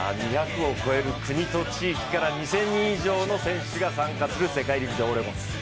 ２００を超える国と地域から２０００人以上の選手が参加する世界陸上オレゴン。